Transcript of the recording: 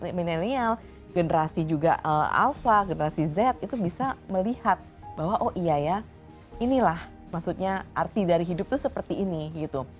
generasi milenial generasi juga alpha generasi z itu bisa melihat bahwa oh iya ya inilah maksudnya arti dari hidup itu seperti ini gitu